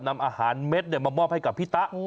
นำอาหารเม็ดมามอบให้กับพี่ตะ